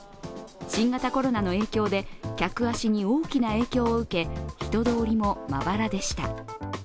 新型コロナの影響で客足に大きな影響を受け、人通りもまばらでした。